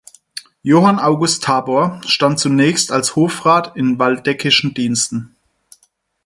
Johann August Tabor stand zunächst als Hofrat in waldeckischen Diensten.